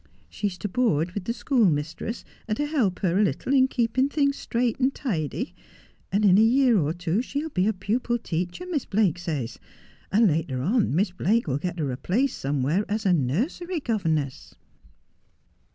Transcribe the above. She's to board with the schoolmistress, and to help her a little in keeping things straight and tidy ; and in a year or two she'll be a pupil teacher, Miss Blake says ; and later on Miss Blake will get her a place somewhere as a nursery governess.'